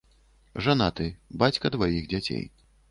Жанаты, бацька дваіх дзяцей.